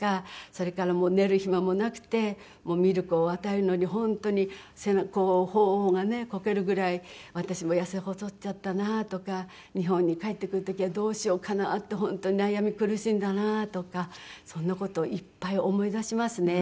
それから寝る暇もなくてミルクを与えるのに本当に頬がねこけるぐらい私も痩せ細っちゃったなとか日本に帰ってくる時はどうしようかなって本当悩み苦しんだなとかそんな事をいっぱい思い出しますね。